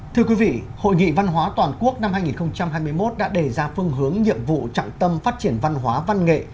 thưa quý vị hội nghị văn hóa toàn quốc năm hai nghìn hai mươi một đã đề ra phương hướng nhiệm vụ trọng tâm phát triển văn hóa văn nghệ